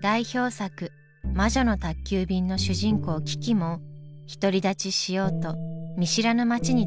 代表作「魔女の宅急便」の主人公キキも独り立ちしようと見知らぬ街に飛び込みます。